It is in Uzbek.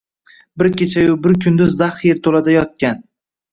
Bir kechayu bir kunduz zax yerto‘lada yotgan